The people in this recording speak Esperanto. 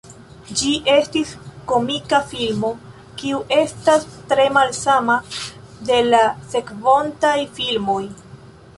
Ĝi estis komika filmo, kiu estas tre malsama de la sekvontaj filmoj.